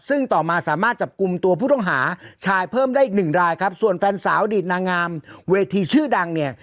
ซึ่งต่อมาสามารถจับกลุ่มตัวผู้ต้องหาชายเพิ่มได้อีกหนึ่งรายครับส่วนแฟนสาวอดีตนางงามเวทีชื่อดังเนี่ย